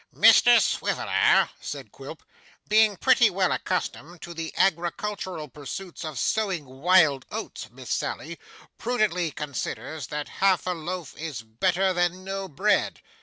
'Mr Swiveller,' said Quilp, 'being pretty well accustomed to the agricultural pursuits of sowing wild oats, Miss Sally, prudently considers that half a loaf is better than no bread.